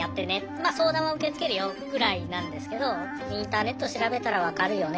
ま相談は受け付けるよぐらいなんですけどインターネット調べたら分かるよね